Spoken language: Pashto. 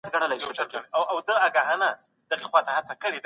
زه دي نه پرېږدم ګلابه